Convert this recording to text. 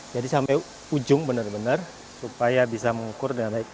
sampai ujung benar benar supaya bisa mengukur dengan baik